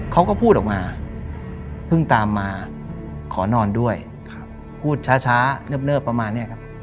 เขาก็พูดออกมาเพิ่งตามมาขอนอนด้วยพูดช้าเนิบประมาณนี้ครับ